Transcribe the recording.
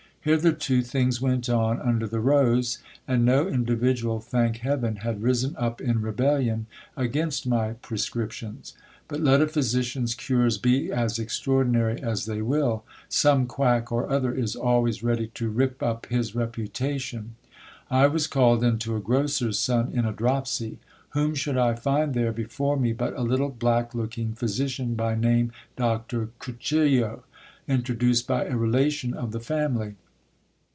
H itherto things went on under the rose, and no individual, thank heaven, had risen up in rebellion against my prescriptions. But let a physician's cures be as extraordinary as they will, some quack or other is always ready to rip up his re putation. I was. called in to a grocers son in a dropsy. Whom should I find th ;re before me but a little black looking physician, by name Doctor Cuchillo, int reduced by a relation of the family.